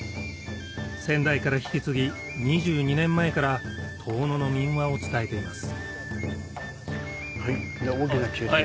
先代から引き継ぎ２２年前から遠野の民話を伝えていますじゃあ大きなキュウリで。